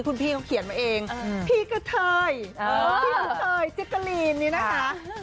คุณพี่เขาเขียนมาเองพี่กะเทยพี่กะเทยแจ๊กกะลีนนี่นะคะ